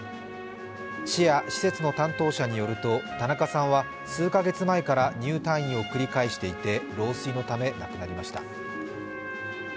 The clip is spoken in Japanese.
市や施設の担当者によると田中さんは数カ月前から入退院を繰り返していて、老衰のため亡くなりました。